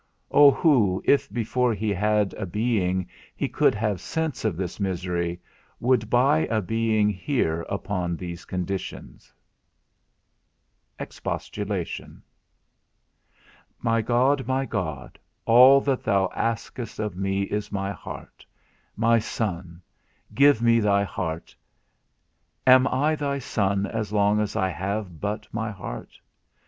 O who, if before he had a being he could have sense of this misery, would buy a being here upon these conditions? XI. EXPOSTULATION. My God, my God, all that thou askest of me is my heart, My Son, give me thy heart. Am I thy Son as long as I have but my heart?